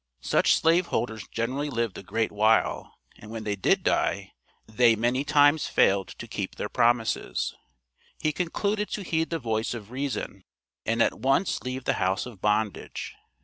Such slave holders generally lived a great while, and when they did die, they many times failed to keep their promises. He concluded to heed the voice of reason, and at once leave the house of bondage.